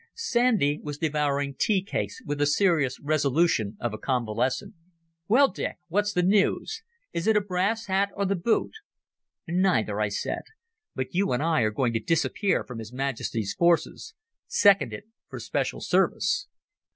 Sandy was devouring tea cakes with the serious resolution of a convalescent. "Well, Dick, what's the news? Is it a brass hat or the boot?" "Neither," I said. "But you and I are going to disappear from His Majesty's forces. Seconded for special service."